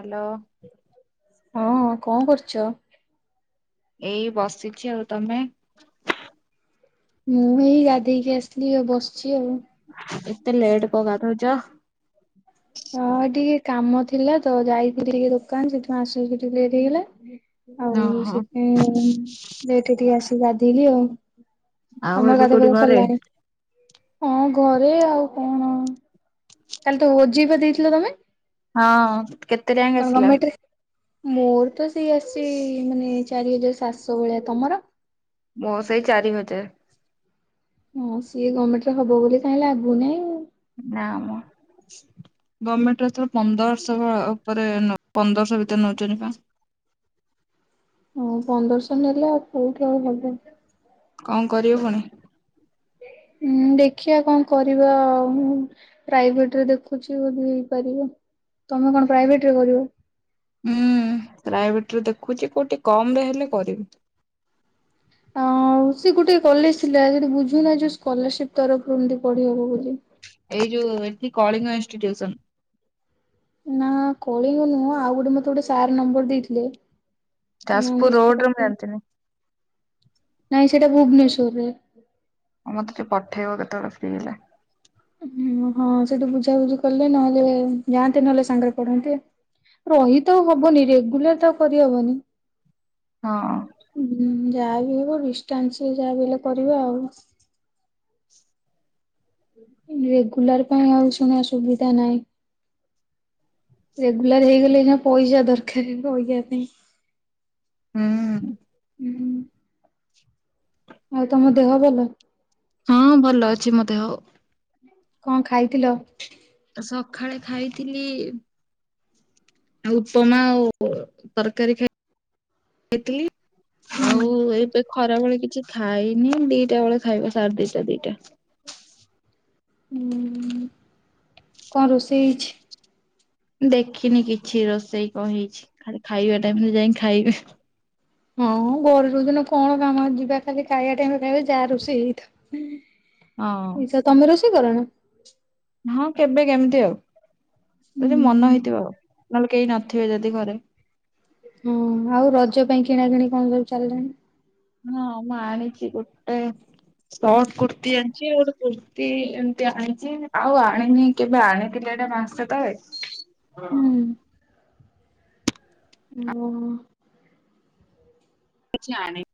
Hello. ହଁ କଣ କରୁଛ? ଏଇ ବସିଛି ଆଉ ତମେ? ମୁଁ ଏଇ ଗାଧେଇକି ଆସିଲି ଆଉ ବସିଛି ଆଉ। ଏତେ ଲେଟ୍ କଣ ଗାଧଉଛ? ହଁ ଟିକେ କାମ ଥିଲା ତ ଯାଇଥିଲି ଟିକେ ଦୋକାନ ସେଠୁଁ ଆସୁ ଆସୁ ଟିକେ ଲେଟ ହେଇଗଲା। ଆଉ ଓହୋ ସେଥିପାଇଁ ଲେଟରେ ଟିକେ ଆସି ଗାଧେଇଲି ଆଉ। ଆଉ ତମର ଏବେ ଗାଧୁଆ କୋଉଠି ପାଧୁଆ ଘରେ? ସରିଲାଣି ହଁ ଘରେ ଆଉ କଣ କାଲି ତ ଓ ଜେ ଇ ବା ଦେଇଥିଲ ତମେ? ହଁ କେତେ ଯାଏ କଣ ଆସିଲା? ଗମେଣ୍ଟରେ? ମୋର ତ ସେଇ ଆସିଛି ମାନେ ଚାରି ହଜାର ସାତଶହ ଭଳିଆ ତମର। ମୋ ସେଇ ଚାରି ହଜାର। ହଁ ସିଏ ଗମେଣ୍ଟରେ ହବ ବୋଲି କାଇଁ ଲାଗୁନିଇଁ। ନାମ ମୋ। ଗମେଣ୍ଟରେ ଏଥର ପନ୍ଦରଶହ ଉପରେ ନ ପନ୍ଦରଶହ ଭିତରେ ନଉଛନ୍ତି ବା। ହଉ ପନ୍ଦରଶହ ନେଲେ ଆଉ କୋଉଠି ଆଉ ହବ। କଣ କରିବୁ ପୁଣି? ହୁଁ ଦେଖିଆ କଣ କରିବା ଆଉ। ପ୍ରାଇଭେଟରେ ଦେଖୁଛି ବଧେ ହେଇପାରିବ ତମେ କଣ ପ୍ରାଇଭେଟରେ କରିବ? ହୁଁ ପ୍ରାଇଭେଟରେ ଦେଖୁଛି କୋଉଠି ଟିକେ କମରେ ହେଲେ କରିବି। ଆଉ ସେ ଗୋଟେ କଲେଜ ପିଲାସେଠି ବୁଝୁନା ଯୋଉ ସ୍କଲାରସିପ ତରଫରୁ ଏମତି ପଢି ହବ ବୋଲି। ଏଇ ଯୋଉ ଏଠି କଳିଙ୍ଗ ଇନଷ୍ଟିଟ୍ୟୁସନ। ନା କଳିିଙ୍ଗ ନୁହଁ ଆଉ ଗୋଟେ ମତେ ଗୋଟେ ସାର୍ ନମ୍ବର ଦେଇଥିଲେ। ଯାଜପୁର ରୋଡ ରେ ମୁଁ [unintelligible] ଜାଣିଥିଲି ନାଇଁ ସେଟା ଭୁବନେଶ୍ୱରରେ। ଆ ମତେ ଟିକେ ପଠେଇବ କେତେବେଳେ ଫ୍ରି ହେଲେ। ଓ ହଁ ସେଠୁ ବୁଝାବୁଝି କଲେ ନହେଲେ ଯାଆନ୍ତେ ନହେଲେ ସାଙ୍ଗରେ ପଢନ୍ତେ। ରହି ତ ହବନି ରେଗୁଲାର ତ ଆଉ କରିହବନି। ହଁ। ହ ଯାହା ବି ହବ ଡିଷ୍ଟାନ୍ସରେ ଯାହା ବି ହେଲେ କରିବା ଆଉ। ରେଗୁଲାର ପାଇଁ ଆଉ ଶୁଣ ସୁୁବିଧା ନାହିଁ। ରେଗୁଲାର ହେଇଗଲେ ଏଇନିକା ପଇସା ଦରକାର ରହିବା ପାଇଁ। ହୁଁ ହୁଁ। ହୁଁ ହୁଁ। ଆଉ ତମ ଦେହ ଭଲ। ହଁ ଭଲ ଅଛି ମୋ ଦେହ। କଣ ଖାଇଥିଲ। ସକାଳେ ଖାଇଥିଲି ଆଉ ଉପମା ଆଉ ତରକାରୀ ଖାଇଥିଲି। ହୁଁ ଆଉ ଏବେ ଖରାବେଳେ କିଛି ଖାଇନି ଦିଟା ବେଳେ ଖାଇବ ସାଢେ ଦିଟା ଦିଟା। ଉଁ କଣ ରୋଷେଇ ହେଇଛି। ଦେଖିନି କିଛି ରୋଷେଇ କଣ ହେଇଛି ଖାଲି ଖାଇବା ଟାଇମରେ ଯାଇ କି ଖାଇବି। ହଁ ଘରେ ଯୋଉଦିନ କଣ କାମ ଯିବା ଖାଲି ଖାଇବା ଟାଇମରେ ଖାଇବା ଯା ରୋଷେଇ ହଁ ହେଇଥବ। ଆଚ୍ଛା ତମେ ରୋଷେଇ କରନା। ହଁ କେବେ କେମିତି ଆଉ ଯଦି ହୁଁ ମନ ହେଇଥିବ ଆଉ ନହେଲେ କେହି ନଥିବେ ଯଦି ଘରେ। ହଁ ଆଉ ରଜ ପାଇଁ କିଣା କିିଣି କଣ ସବୁ ଚାଲିଲାଣି। ହଁ ମୁଁ ଆଣିଛି ଗୋଟାଏ ସଟ୍ କୁର୍ତ୍ତି ଆଣିଛି ଆଉ କୁର୍ତ୍ତିୀ ଏମତି ଆଣିଛି ଆଉ ଆଣିନି କେବେ ଆଣିଥିଲି ଏଟା ମାସେ ତଳେ। ହୁଁ [unintelligible] କିଛି ଆଣିନି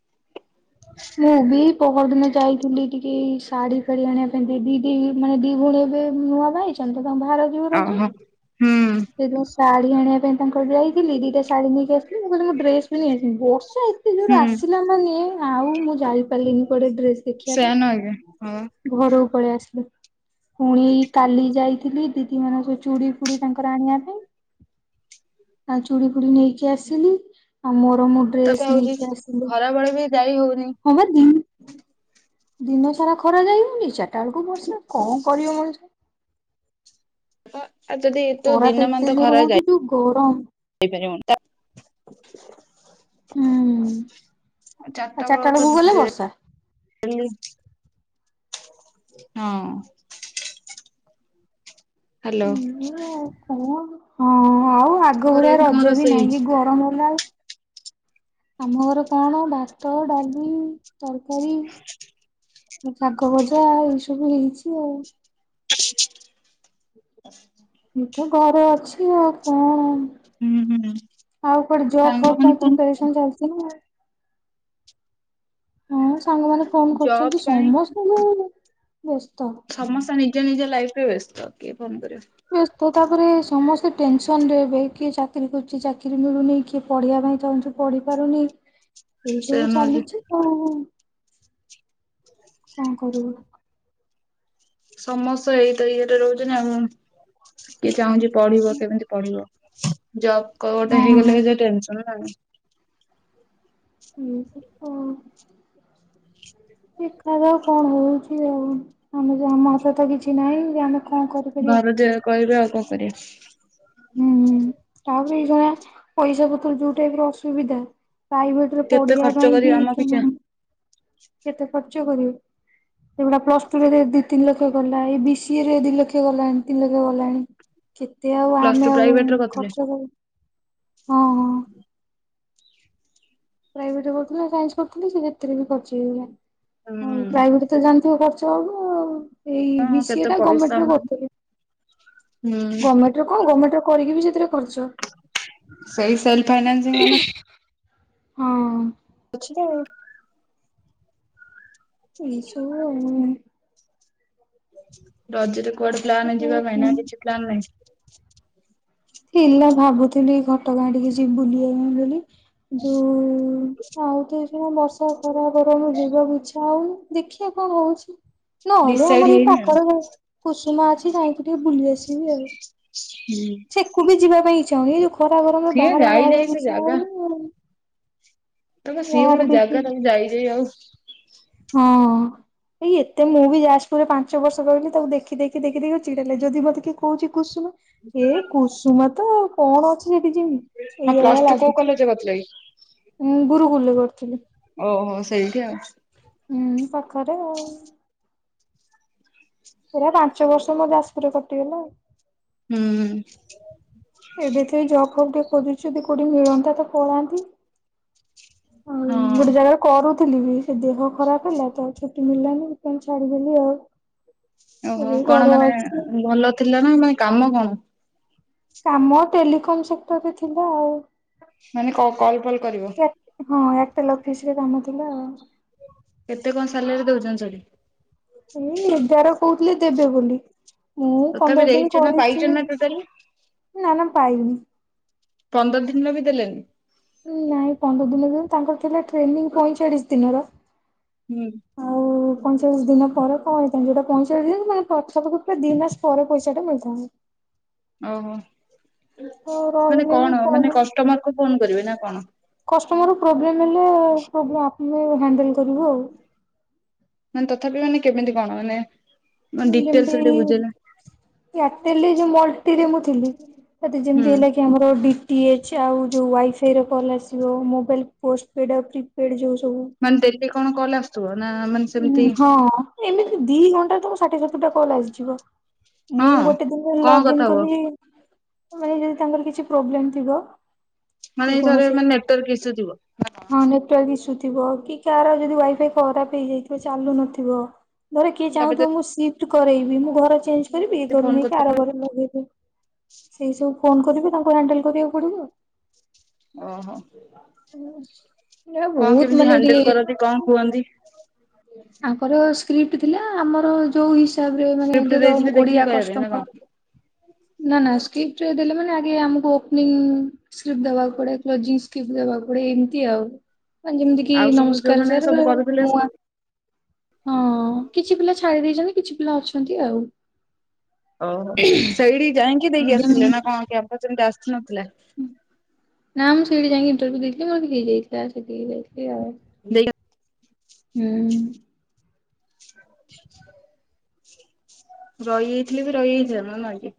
ହୁଁ। ବି ପହର ଦିନେ ଯାଇଥିଲି ଟିକେ ଶାଢୀ କିଣି ଆଣିବା ପାଇଁ ଦି ଦି ମାନେ ଦି ଭଉଣୀ ଏବେ ନୂଆ ବାହା। [unintelligible] ଆହ ହୁଁ। ସେ ଯଉ ଶାଢୀ ଆଣିବା ପାଇଁ ତାଙ୍କର ଯାଇଥିଲି ଦିଟା ଶାଢୀ ନେଇକି ଆସିଥିଲି ମୁଁ କହିଲି ମୋ ଡ୍ରେସ ବି ନେଇ ବର୍ଷା ଏତେ ଜୋର ହୁଁ ଆସିଲା ମାନେ ଆଉ ମୁଁ ଯାଇପାରିଲିନି କୁଆଡେ ଡ୍ରେସ ସେୟା ନୁହଁ କି ହଁ ଦେଖିବାପାଇଁ ଘରକୁ ପଳେଇ ଆସିଲି। ପୁଣି କାଲି ଯାଇଥିଲି ଦିଦି ମାନଙ୍କ ଚୁଡ଼ି ଫୁଡ଼ି ତାଙ୍କର ଆଣିବା ପାଇଁ। ତାଙ୍କର ଚୁଡି ଫୁଡି ନେଇକି ଆସିଲି ଆଉ ମୋର ମୁ ତାକୁ ଆହୁରି ହଉଛି ଖରାବେେଳେ ବି ଯାଇ ହଉନି [unintelligible] ଦିନ ସାରା ଖରା ଯାଇନି ଚାରିଟା ବେଳକୁ ବର୍ଷା କଣ କରିବ ମଣିଷ ଆଉ ଯଦି ଏ ତୁ ଖରା ଦିନ ମ ଏତେ ତ ଜୋର ଖରା ହଉଛି ଯୋଉ ଗରମ ଯାଇପାରିବୁ ହୁଁ। ଆଉ ଚାରିଟା ବେଳ ତ ବେଳକୁ ଗଲେ ବର୍ଷା। ଡେଲି ହଁ। ହ୍ୟାଲୋ। ଓ ହଁ ଆଉ ଆଗ ଘରେ ଭଳିଆ ଆଜି କଣ ରଜ ବି ରୋଷେଇ ନାହିଁ ହେଇଛି? କି ଗରମ ହେଲା ଆଉ ଆମ ଘର କଣ ଭାତ ଡାଲି ତରକାରୀ ଶାଗ ଭଜା ଏଇ ସବୁ ହେଇଛି ଆଉ ଏ ତ ଘର ଅଛି ଆଉ କଣ ହୁଁ ହୁଁ ଆଉ କୁଆଡେ ଜବ ଫବ୍ ସାଙ୍ଗମାନେ ପାଇଁ ଫୋନ ପିପେରେଶନ କରିଛନ୍ତି ଚାଲିଛି ନା ହଁ ସାଙ୍ଗମାନେ ଫୋନ ଜବ୍ କରୁଛନ୍ତି ପାଇଁ ସମସ୍ତଙ୍କୁ ବ୍ୟସ୍ତ। ସମସ୍ତେ ନିଜ ନିଜ ଲାଇଫରେ ବ୍ୟସ୍ତ କିଏ ଫୋନ୍ କରିବ। ବ୍ୟସ୍ତ ତାପରେ ସମସ୍ତେ ଟେନସନ ରେ ଏବେ କିଏ ଚାକିରୀ ଖୋଜୁଚି ଚାକିରୀ ମିଳୁନି କିଏ ପଢ଼ିବା ପାଇଁ ଚାହୁଁଚି। ପଢି ପାରୁନି। ଏଇ ସେ ସବୁ ନୁହଁ ଚାଲିଛି କ କଣ କରିବ। ସମସ୍ତେ ଏଇ ତ ଇଏ ରେ ରହୁଚନ୍ତି ଆଉ କିଏ ଚାହୁଁଚି ପଢିବ କେମିତି ପଢିବ ଜବ କ ଗୋଟେ ହଁ ହେଇଗଲେ ଯେ ଟେନସନ ନାହିଁ। ହୁଁ ପ କଣ ଦେଖାଯାଉ କଣ ହଉଚି ଆଉ ଆମେ ଯ ଆମ ହାତ ରେ ତ କିଛି ନାଇଁ ଯେ ଆମେ କଣ କରିପାରିବା ଘରେ ଯେ କହିବେ ଆଉ କଣ କରିଆ। ହୁଁ ହୁଁ ତାପରେ ଏଇ ଯୋଉ ଭଳିଆ ପଇସା ପତ୍ର ଯୋଉ ଟାଇପ ର ଅସୁବିଧା ପ୍ରାଇଭେଟ ରେ କେତେ ପଢିଆ ଖର୍ଚ୍ଚ ପାଇଁ କରିବେ ବି ଆମ ପିଛା [unintelligible] କେତେ ଖର୍ଚ୍ଚ କରିବେ। ଏଗୁଡା ପ୍ଲସ ଟୁ ରେ ଦି ଦି ତିନି ଲକ୍ଷ ଗଲା ଏଇ ବି ସି ଏ ରେ ଦି ଲକ୍ଷ ଗଲାଣି ତିନି ଲକ୍ଷ ଗଲାଣି। କେତେ ଆଉ ପ୍ଲସ ଟୁ ଆମେ ଆଉ ପ୍ରାଇଭେଟରେ କରିଥିଲେ ଖର୍ଚ୍ଚ କରିବୁ ହଁ ହଁ। ପ୍ରାଇଭେଟ ରେ କରୁଥିଲି ସାଇନ୍ସ କରୁଥିଲି ସେ ଯେଥିରେ ବି କରଚି ଆଉ ହୁଁ ପ୍ରାଇଭେଟ ତେ ଜାଣିଥିବ ଖର୍ଚ୍ଚ ଆଉ ଏଇ ବି ହଁ ସି ଏ କେତେ ଟା ପଇସା ଗର୍ମେଣ୍ଟରେ ହୁଁ କରୁଥେଲି। ଗର୍ମେଣ୍ଟରେ କଣ ଗର୍ମେଣ୍ଟ ରେ କରିକି ବି ସେଥିରେ ଖର୍ଚ୍ଚ। ସେଇ ସେଲ୍ଫ୍ ଫାଇନାନ୍ସିଂ ମାନେ ହଁ। ଅଛି କ ଏଇ ସବୁ ଆଉ ମାନେ ରଜରେ କୁଆଡେ ପ୍ଲାନେ ଯିବା ପାଇଁ ଆଉ। ନା କିଛି ପ୍ଲାନ୍ ନାହିଁ? ଥିଲା ଭାବୁଥିଲି ଘଟଗାଁ ଟିକେ ଯିବି ବୁଲି ଆଇମି ବୋଲି। ଯୋଉ ଆଉ ତ ଏ ଯୋଉ ବର୍ଷା ଖରା ଗରମ ଯିବାକୁ ଇଚ୍ଛା ହଉନି ଦେଖିଆ କଣ ହଉଛି। ନହେଲେ ଡିସାଇଡ ଆମର ଏଇ ହେଇନି ଆଉ ପାଖରେ ଉଁ କୁସୁମା ଅଛି ଯାଇକି ଟିକେ ବୁଲି ଆସିବି ଆଉ। ହୁଁ। ସେକୁ ବି ଯିବା ପାଇଁ ଇଚ୍ଛା ହଉନି ଏଇ ଯୋଉ ଖରା ଗରମ ରେ ସିଏ ବାହାରକୁ ଯାଇ ଯାଇ ସେ ବାହାରିଆକୁ ଇଚ୍ଛା ହଉନି ଆଉ। ତମ ସିଏ ଗୋଟେ ବାହାରକୁ ଇଚ୍ଛା ଜାଗା ତାକୁ ଯାଇ ଯାଇ ଆଉ ହଁ। ଏଇ ଏତେ ମୁଁ ବି ଯାଜପୁରରେ ପାଞ୍ଚ ବର୍ଷ ରହିଲି ତାକୁ ଦେଖି ଦେଖି ଦେଖି ଦେଖି ଆଉ ଚିଡା ଲାଗେ ଯଦି ମତେ କିଏ କହୁଚି କୁସୁମା ଏ କୁସୁମା ତ କଣ ଅଛି ସେଠି ଯିମି। ହଁ ଏଇ ଭଳିଆ ପ୍ଲସ ଟୁ କୋଉ ଲାଗୁଚି କଲେଜରେ କରିଥିଲ କି? ଉଁ ଗୁରୁକୁଳ ରେ ପଢୁଥିଲି। ଓହୋ ସେଇଠି ଆଉ। ହୁଁ ପାଖରେ ଆଉ। ଏରା ପାଞ୍ଚ ବର୍ଷ ମୋର ଯାଜପୁର ରେ କଟିଗଲା ଆଉ। ହୁଁ। ଏବେ ତ ଏଇ ଜବ୍ ଫବ ଟିକେ ଖୋଜୁଛି ଯଦି କୋଉଠି ମିଳନ୍ତା ତ ପଳାନ୍ତି। ଆଉ ଗୋଟେ ହଁ। ଜାଗା ରେ କରୁଥିଲି ବି ସେ ଦେହ ଖରାପ ହେଲା ତ ଆଉ ଛୁଟି ମିଳିଲାନି ସେଥିପାଇଁ ଛାଡିଦେଲି ଆଉ। ଓହୋ ଏବେ କଣ ଘରେ ମାନେ ଅଛି ଅ ଭଲ ଥିଲା ନା ମାନେ କାମ କଣ? କାମ ଟେଲିକମ ସେକ୍ଟରରେ ଥିଲା ଆଉ। ମାନେ କ-କଲ ଫଲ୍ କରିବ? ଏ ହଁ ଏୟାରଟେଲ ଅଫିସ ରେ କାମ ଥିଲା ଆଉ। କେତେ କଣ ସାଲାରୀ ଦଉଚନ୍ତି ସେଠି? ଏଇ ଏଗାର କହୁଥିଲେ ଦେବେ ବୋଲି ମୁଁ ତଥାପି ପନ୍ଦର ଦିନ୍ ଦେଇଛ ନା ପାଇଛ କରିଚି। ନା ଟୋଟାଲି ନାଁ ନା ପାଇନି। ପନ୍ଦର ଦିନର ବି ଦେଲେନି। ନାଇଁ ପନ୍ଦର ଦିନ ଦିନ ତାଙ୍କର ଥିଲା ଟ୍ରେନିଂ ପଇଁଚାଳିଶ ଦିନର। ହୁଁ। ଆଉ ପଇଁଚାଳିଶ ଦିନ ପରେ କଣ ହେଇଥାନ୍ତା ଯୋଉଟା ପଇଚାଳିଶ ଦିନ ମାନେ ପାଖାପାଖି ଦିମାସ ପରେ ପଇସାଟା ମିଳିଥାନ୍ତା। ଓହୋ ତ ମାନେ ରହିଲେନି କଣ ମାନେ କଷ୍ଟମର କୁ ଫୋନ କରିବେ ନା କଣ? କଷ୍ଟମକୁ ପ୍ରୋବ୍ଲେମ୍ ହେଲେ ପ୍ରୋବ୍ଲେ ଆପଣ ହ୍ୟାଣ୍ଡେଲ କରିବ ଆଉ। ମାନେ ତଥାପି ମାନେ କେମିତି କଣ ମାନେ ଡିଟେଲସ ଯେମତି ଟିକେ ବୁଝେଇଲେ ଏୟାରଟେଲରେ ମଲଟିରେ ମୁଁ ଥିଲି। ସେ ଯେମିତି ହୁଁ ହେଲା କି ଆମର ଡି ଟି ଏଚ୍ ଆଉ ଯେଉଁ ୱାଇଫାଇର କଲ୍ ଆସିବ ମୋବାଇଲ୍ ପୋଷ୍ଟପେଡ଼୍ ଆଉ ପ୍ରିପେଡ଼୍ ଯେଉଁ ସବୁ। ମାନେ ଡେଲି କଣ କଲ ଆସୁଥିବ ନା ମାନେ ଉଁ ସେମିତି ହଁ ଏମିତି ଦି ଘଣ୍ଟାରେ ତମ ଷାଠିଏ ସତୁରିଟା କଲ୍ ଆସିଯିବ। ମୁଁ ହଁ। ଗୋଟେ ଦିନରେ କଣ ଲଗିନି କଥା ହୁଅ କଲି ମାନେ ଯଦି ତାଙ୍କର କିଛି ପ୍ରୋବ୍ଲେମେ ଥିବ। ମାନେ କି ଥରେ କୌଣସି ନେଟୱାର ଇସୁଥିବ। ହଁ ନେଟୱାର୍କ ଇସୁ ଥିବ କି କାହାର ଯଦି ୱାଇଫାଇ ଖରାପ ହେଇଯାଇଥିବ ଚାଲୁ ନଥିବ। ଧରେ କିଏ ଚାହୁଁଥିବ ତାପରେ ମୁଁ ସିଫ୍ଟ କରେଇବି ମୁଁ ଘର ଚେଞ୍ଜ କରିବି ଏ ଫୋନ ଘରୁ ନେଇକି ଆର ଘର ଲଗେଇବି। ସେଇସବୁ ଫୋନ୍ କରିବେ ତାଙ୍କୁ ହ୍ୟାଣ୍ଡେଲ୍ କରିବାକୁ ପଡ଼ିବ ଆଉ। ଓହୋ ଏଇଟା କଣ ବହୁତ କେମିତି ମାନେ ହ୍ୟାଣ୍ଡେଲ ଟିକେ କରନ୍ତି କଣ କୁହନ୍ତି? ଆଙ୍କର ସ୍କ୍ରିପ୍ଟି ଥିଲା ଆମର ଯୋଉ ହିସାବରେ ମାନେ ସ୍କ୍ରିପ୍ଟ ଯୋଟ ଦେଇଥିଲେ ଦେଖିକି ଓଡିଆ କହିବା ପାଇଁ ନା କଷ୍ଟମର। କଣ? ନା ନା ସ୍କିପ୍ପ୍ଟି ଦେଲେ ମାନେ ଆଗେ ଆମକୁ ଓପନିଂ ସ୍କିପି ଦବାକୁ ପଡେ କି ଜିସ୍କି ସ୍କିପି ଦବାକୁପଡେ ଏମିତି ଆଉ। ଯେମିତି କି ଆଉ ସବୁ ନମସ୍କାର ଯୋଉମାନେ ସାର୍ ସବୁ କରୁଥିଲେ ମୁଁ ଆ ହଁ କିଛି ପିଲା ଛାଡି ଦେଇେଛନ୍ତି। କିଛି ପିଲା ଅଛନ୍ତି ଆଉ। ଓହୋ ସେଇଠି ଯାଇକି ଦେଇକି ଆସିଲେ ଯେମିତି ନା କଣ କ୍ୟାପଚୁନ ଟା ଆସିନଥିଲା। ନା ମୁଁ ସେଇଠି ଯାଇକି ଇଣ୍ଟରଭିୟୁ ଦେଇଥିଲି ମୋର ହେଇଯାଇଥିଲା ସେଠିକି ଯାଇଥିଲି ଆଉ। [inaudible] ହୁଁ। ରହିଯାଇଥିଲେ ବି ରହିଯାଇ ଥାନ୍ତ ନା କି।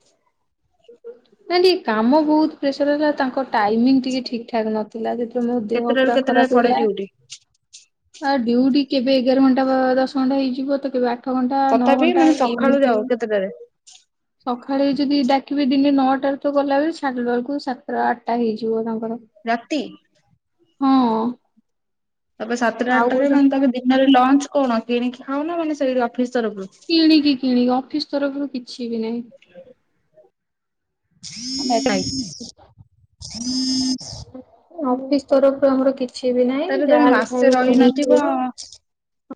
ନା ଟିକେ କାମ ବହୁତ ପ୍ରେସର ହେଲା ତାଙ୍କ ଟାଇମିଙ୍ଗି ଟିକେ ଠିକି ଠାକ ନଥିଲା। ଥିଲା ସେଥିରେ ମୋ ଦେହ କେତେଟାରୁ ପୁରା କେତେଟା ଖରାପ ପଡେ ହେଲା। ଡ୍ୟୁଟି? ଆଉ ଡିଉଟି କେବେ ଏଗାର ଘଣ୍ଟା ବା ଦଶ ଘଣ୍ଟା ହେଇଯିବ ତ କେବେ ଆଠ ଆଠ ଘଣ୍ଟା ନଅ ତଥାପି ଘଣ୍ଟା ମାନେ ସକାଳୁ ଏମିତି ଯାଉ କେତେଟାରେ ସକାଳେ ଯଦି ଡାକି କେବେ ଦିନେ ନଅଟାରେ ତ ଗଲା ବେଲିକୁ ସାରିଲା ବେଳକୁ ସାତଟା ଆଠଟା ହେଇଯିବ ତାଙ୍କର। ରାତି। ହଁ। ତାପରେ ସାତଟା ଆଉ ଆଟାରେ ଗୋଟେ ମାନେ ତମେ ଦିନରେ ଲଞ୍ଚ କଣ କିଣିକି ଖାଉନା ମାନେ ସେଇ ଅଫିସି ତରଫରୁ। କିଣିକି କିଣିକି ଅଫିସି ତରଫରୁ କିଛି ବି ନାହିଁ। [inaudible] ନାଇଁ ଅଫିସି ତରଫରୁ ଆମର କିଛି କିଛି ବି ନାହିଁ ତାହେଲେ ତମେ ଯାହା ବିି ମାସେ ଖାଇବ ରହିନଥିବ କିଣିକି ଖାଇବ।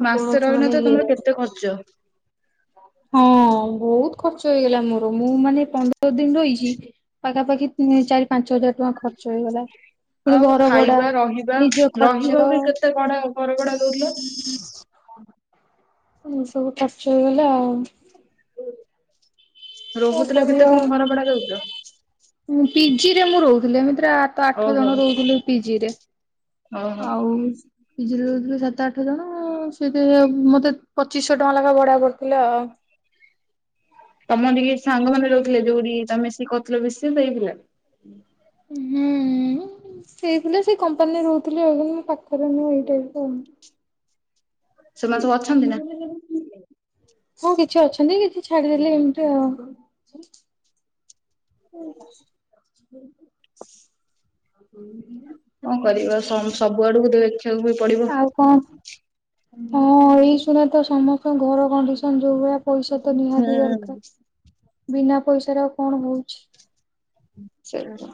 ମାସେ କୌଣସି ମାନେ ରହିନଥିବ ଇଏ ତମର ନାହିଁ। କେତେ ଖର୍ଚ୍ଚ। ହଁ ବହୁତ ଖର୍ଚ୍ଚ ହେଇଗଲା ମୋର ମୁଁ ମାନେ ପନ୍ଦର ଦିନ ରହିଛି। ପାଖାପାଖି ଚାରି ପାଞ୍ଚ ହଜାର ଟଙ୍କା ଖର୍ଚ୍ଚ ହେଇଗଲା। ପୁଣି ଆଉ ଘର ଭଡା, ଖାଇବା ରହିବା ନିଜ ଖର୍ଚ୍ଚ। ରହିବ ବି କେତେ ଭଡା ଘର ଭଡା ଦଉଥିଲ ଏଇ ସବୁ ଖର୍ଚ୍ଚ ହେଇଗଲା ଆଉ। କଣ ରହୁଥୁଲ କେତେ କଁ ଘର ଭଢା ଦଉଥୁଲ? ମୁଁ ପିଜିରେ ମୁଁ ରହୁଥିଲି, ଏମିତିରେ ଆଠ ଆଠ ଓହୋ ଜଣ ରହୁଥୁଲୁ ପିଜିରେ। ଓହୋ ଆଉ, ପିଜିରେ ରହୁଥୁଲୁ ସାତ ଆଠ ଜଣ-ଅ। ହଁ, ସେତ ସେୟା ମତେ ପଚିଶ୍ ଶହ ଟଙ୍କା ଲେଖାଁ ଭଢା ପଡଥିଲା ଆ-ଆ। ତମ ରି ଇଏ ସାଙ୍ଗ ମାନେ ରହୁଥିଲେ, ଯୋଉଠି ତମେ ସି କରୁଥିଲ, ବିଶି ସେଇ ପିଲା। ହୁଁ, ହୁଁ, ସେଇପିଲା ସେଇ କମ୍ପାନୀରେ ରହୁଥିଲେ ଆଉ। କିନ୍ତୁ ମୋ ପାଖରେ ନୁହେଁ ଏଇଟାଇପ୍ ର ଆଉ। ସେମାନେ ସବୁ ଅଛନ୍ତିନା। ଆଉ। ହଁ, କିଛି ଅଛନ୍ତି। କିଛି ଛାଡିଦେଲେ ଏମିତି ଆଉ। ଉଁ [inaudible] [inaudible] କଁ କରିବା? ସମ୍ ସବୁ ଆଡକୁ ଦେଖିବାକୁ ବି ପଡିବ। ଆଉ କଣ ହଁ ଏଇ ଶୁଣ ତ ସମସ୍ତଙ୍କ ଘର କଣ୍ଡିସନ୍ ଯୋଉ ଭଳିଆ ପଇସା ତ ନିହାତି ହୁଁ ଦରକାର। ବିନା ପଇସାରେ ଆଉ କଣ ହଉଛି? ହୁଁ ଚେ୍ରୁର।